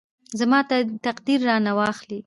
زما تقدیر رانه واخلي.